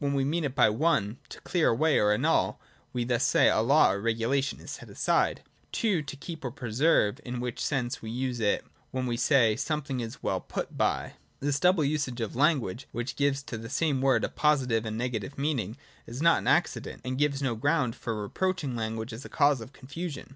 We mean by it (i) to clear away, or annul; thus, we say, a law or a regulation is set aside : (2) to keep, or preserve : in which sense we use it when we say : something is well put by. j This double usage of language, which gives to the same word a positive and nega tive meaning, is not an accident, and gives no ground for reproaching language as a cause of confusion.